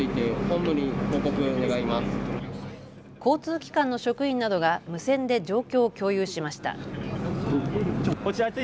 交通機関の職員などが無線で状況を共有しました。